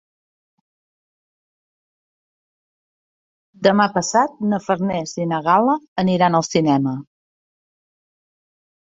Demà passat na Farners i na Gal·la aniran al cinema.